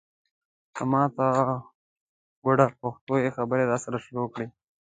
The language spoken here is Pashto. په ماته ګوډه پښتو یې خبرې راسره شروع کړې.